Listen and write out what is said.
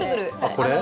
これ？